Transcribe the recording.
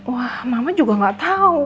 wah mama juga nggak tahu